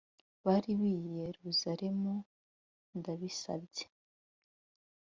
bari b'i yeruzalemu, ndabibasabye